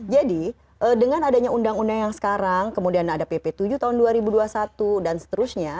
dengan adanya undang undang yang sekarang kemudian ada pp tujuh tahun dua ribu dua puluh satu dan seterusnya